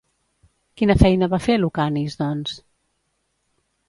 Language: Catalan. Quina feina va fer Lukanis, doncs?